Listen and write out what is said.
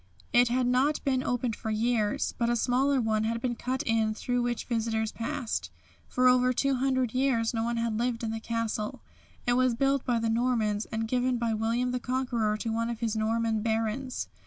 It had not been opened for years, but a smaller one had been cut in it through which visitors passed. For over 200 years no one had lived in the castle. It was built by the Normans and given by William the Conqueror to one of his Norman Barons.